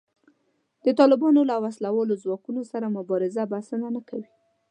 د طالبانو له وسله والو ځواکونو سره مبارزه بسنه نه کوي